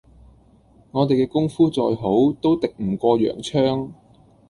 我哋嘅功夫再好，都敵唔過洋槍